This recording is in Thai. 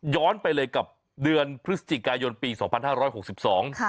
ไปเลยกับเดือนพฤศจิกายนปีสองพันห้าร้อยหกสิบสองค่ะ